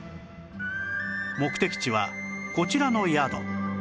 目的地はこちらの宿